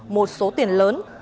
một số tiền lớn